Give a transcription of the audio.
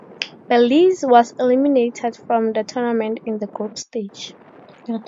Belize was eliminated from the tournament in the group stage.